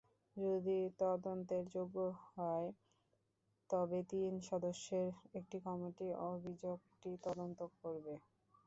যদি তদন্তের যোগ্য হয়, তবে তিন সদস্যের একটি কমিটি অভিযোগটি তদন্ত করবে।